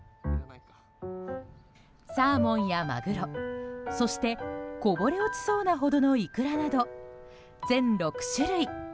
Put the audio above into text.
サーモンやマグロそして、こぼれ落ちそうなほどのイクラなど全６種類。